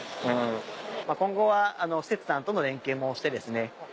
今後は施設さんとの連携もしてですね